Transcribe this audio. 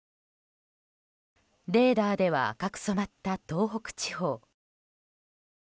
レーダーでは赤く染まった東北地方。